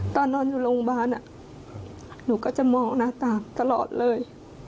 ตอนนอนอยู่โรงพยาบาลหนูก็จะมองหน้าตาตลอดเลย